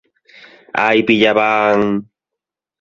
_¡Ai, pillabán!